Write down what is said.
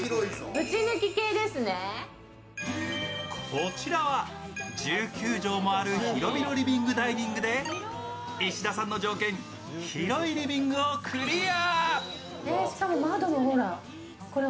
こちらは１９畳もある広々リビングダイニングで石田さんの条件、広いリビングをクリア。